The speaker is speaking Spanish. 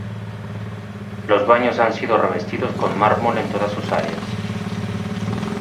Los baños han sido revestidos con mármol en todas sus áreas.